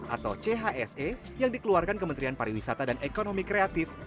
atau chse yang dikeluarkan kementerian pariwisata dan ekonomi kreatif